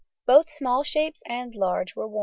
Both small shapes and large were worn.